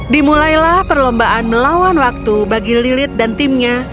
dimulailah perlombaan melawan waktu bagi lilit dan timnya